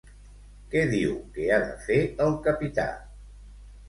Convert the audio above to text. Què diu que ha de fer el capità?